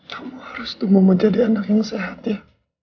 kamu harus tuh mau menjadi anak yang sehat ya